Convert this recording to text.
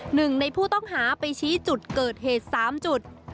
หนึ่งในผู้ต้องหาไปชี้จุดเกิดเหตุ๓จุด